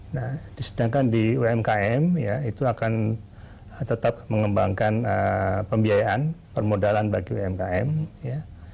nah di sedangkan di umkm ya itu akan tetap mengembangkan pembiayaan permodalan bagi umkm ya